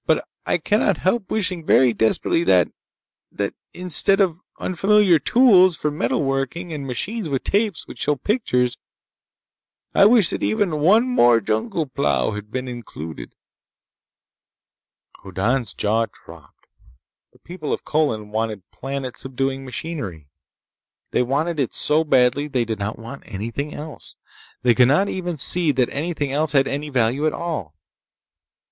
But I cannot help wishing very desperately that ... that instead of unfamiliar tools for metal working and machines with tapes which show pictures.... I wish that even one more jungle plow had been included!" Hoddan's jaw dropped. The people of Colin wanted planet subduing machinery. They wanted it so badly that they did not want anything else. They could not even see that anything else had any value at all.